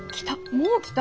もう来た。